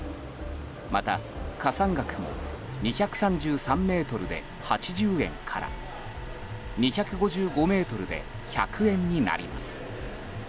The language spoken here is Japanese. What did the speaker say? また、加算額も２３３ｍで８０円から２５５ｍで１００円になります。